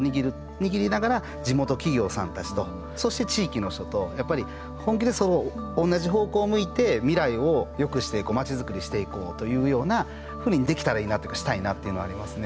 握りながら地元企業さんたちとそして地域の人とやっぱり本気でそのおんなじ方向を向いて未来をよくしていこう町づくりしていこうというようなふうにできたらいいなっていうかしたいなっていうのはありますね。